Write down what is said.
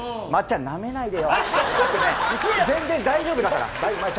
松ちゃん、なめないでよ。